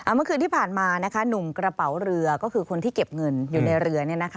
เมื่อคืนที่ผ่านมาหนุ่มกระเป๋าเรือก็คือคนที่เก็บเงินอยู่ในเรือ